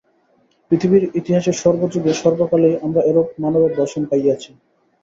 পৃথিবীর ইতিহাসের সর্বযুগে, সর্বকালেই আমরা এরূপ মানবের দর্শন পাইয়াছি।